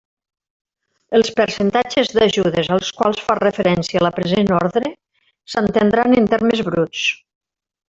Els percentatges d'ajudes als quals fa referència la present ordre s'entendran en termes bruts.